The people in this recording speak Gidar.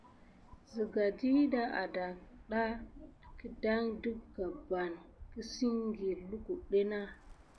Sigan ɗiɗa ada kidan ɗe gəban kesinki, lukutu nà.